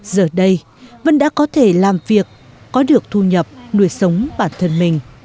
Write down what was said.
giờ đây vân đã có thể làm việc có được thu nhập nuôi sống bản thân mình